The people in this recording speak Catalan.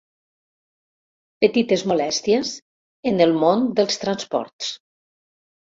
Petites molèsties en el món dels transports.